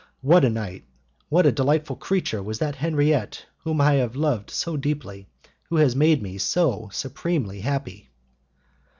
What a night! what a delightful creature was that Henriette whom I have loved so deeply, who has made me so supremely happy!